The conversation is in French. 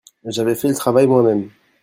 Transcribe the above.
J'avais fait le travail moi-même.